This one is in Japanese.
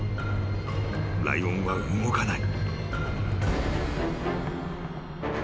［ライオンは動かない］